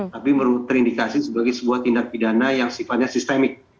tapi terindikasi sebagai sebuah tindak pidana yang sifatnya sistemik